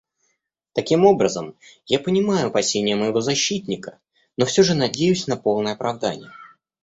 Таким образом, я понимаю опасения моего защитника, но все же надеюсь на полное оправдание.